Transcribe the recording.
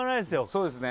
そうですね